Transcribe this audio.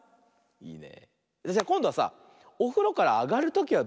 いいね。